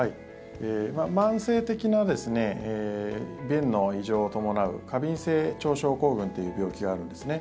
慢性的な便の異常を伴う過敏性腸症候群という病気があるんですね。